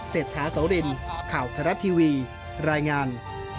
เศรษฐาโสรินข่าวไทยรัฐทีวีรายงาน